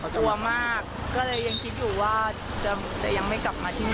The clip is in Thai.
กลัวคะกลัวมากก็เลยกลัวอย่างคิดอยู่ว่าจะยังไม่กลับมาที่นี่